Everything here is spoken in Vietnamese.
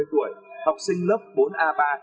một mươi tuổi học sinh lớp bốn a ba